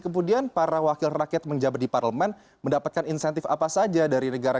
kemudian para wakil rakyat menjabat di parlemen mendapatkan insentif apa saja dari negara